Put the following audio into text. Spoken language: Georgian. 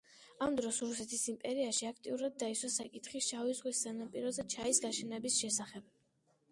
ამ დროს რუსეთის იმპერიაში აქტიურად დაისვა საკითხი შავი ზღვის სანაპიროზე ჩაის გაშენების შესახებ.